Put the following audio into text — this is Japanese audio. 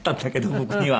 僕には。